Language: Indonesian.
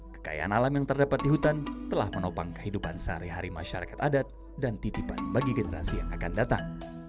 kekayaan alam yang terdapat di hutan telah menopang kehidupan sehari hari masyarakat adat dan titipan bagi generasi yang akan datang